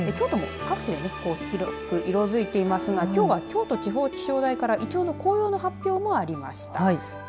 京都も各地で色づいていますがきょうは、京都地方気象台からいちょうの紅葉の発表もありました。